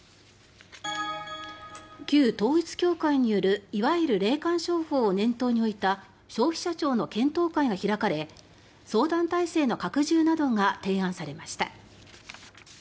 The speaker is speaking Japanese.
旧統一教会によるいわゆる霊感商法を念頭に置いた消費者庁の検討会が開かれ相談体制の拡充などが提案されました。